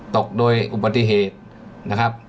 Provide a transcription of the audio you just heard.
ตกโดยอุบัติเหตุนะครับ